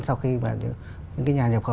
sau khi mà những nhà nhập khẩu